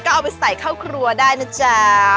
ก็เอาไปใส่เข้าครัวได้นะจ๊ะ